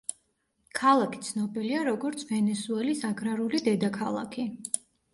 ქალაქი ცნობილია როგორც „ვენესუელის აგრარული დედაქალაქი“.